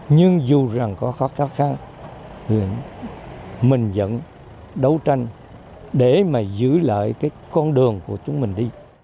nhưng dù rằng có khó khăn mình vẫn đấu tranh để mà giữ lại cái con đường của chúng mình đi